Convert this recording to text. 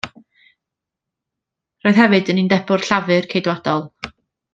Roedd hefyd yn undebwr llafur ceidwadol.